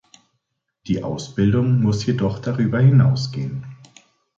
Die Ausbildung muss jedoch darüber hinausgehen.